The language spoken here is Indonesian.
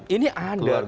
ini ada kayak gitu